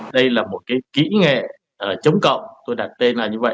đây là một cái kỹ nghệ chống cộng tôi đặt tên là như vậy